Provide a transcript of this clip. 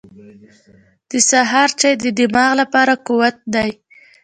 • د سهار چای د دماغ لپاره قوت دی.